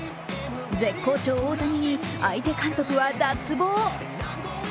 絶好調・大谷に相手監督は脱帽。